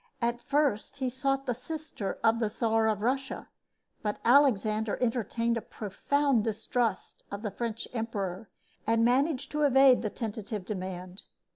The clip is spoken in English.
At first he sought the sister of the Czar of Russia; but Alexander entertained a profound distrust of the French emperor, and managed to evade the tentative demand.